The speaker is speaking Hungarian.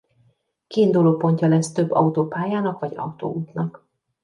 Kiindulópontja lesz több autópályának vagy autóútnak.